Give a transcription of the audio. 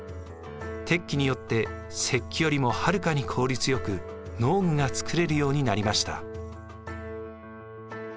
鉄器によって石器よりもはるかに効率よく農具が作れるようになりました。